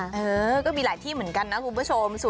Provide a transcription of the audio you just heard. เออก็มีหลายที่เหมือนกันนะคุณผู้ชม